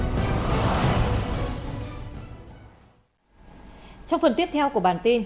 trong phần tiếp theo của bản tin